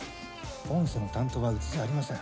御社の担当はうちじゃありません。